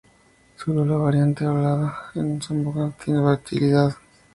Solo la variante hablada en Zamboanga tiene vitalidad.